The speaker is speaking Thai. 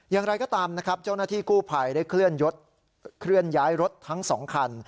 อย่างไรก็ตามนะครับเจ้าหน้าที่กู้ภัยได้เคลื่อนย้ายรถทั้ง๒คัน